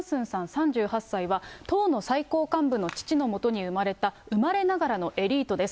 ３８歳は、党の最高幹部の父のもとに生まれた生まれながらのエリートです。